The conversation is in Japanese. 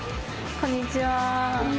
こんにちは。